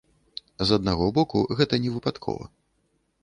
З аднаго боку, гэта не выпадкова.